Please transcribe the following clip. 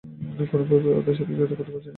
কোনোভাবেই ওদের সাথে যোগাযোগ করতে পারছি না।